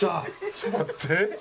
ちょっと待って。